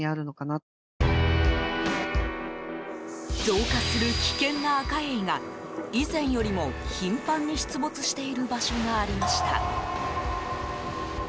増加する危険なアカエイが以前よりも頻繁に出没している場所がありました。